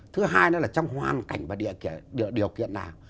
thứ hai nữa là trong hoàn cảnh và điều kiện nào